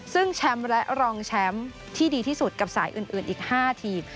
ซึ่งแชมป์และรองแชมป์ที่ดีที่สุดกับสายอื่นอีก๕ทีม